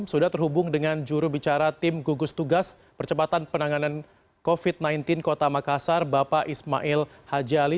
sudah terhubung dengan jurubicara tim gugus tugas percepatan penanganan covid sembilan belas kota makassar bapak ismail hajali